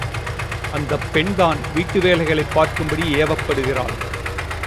அந்தப் பெண்தான் வீட்டு வேலைகளைப் பார்க்கும்படி ஏவப்படுகிறாள்.